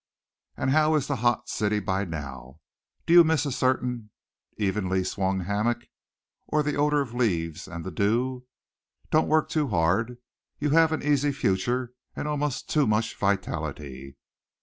"And how is the hot city by now? Do you miss a certain evenly swung hammock? Oh, the odor of leaves and the dew! Don't work too hard. You have an easy future and almost too much vitality.